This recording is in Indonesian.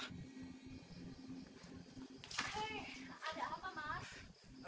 hei ada apa mas